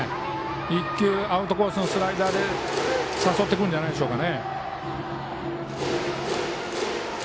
１球、アウトコースのスライダーで誘ってくるんじゃないでしょうか。